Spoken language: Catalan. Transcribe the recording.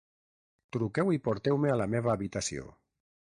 Truqueu i porteu-me a la meva habitació!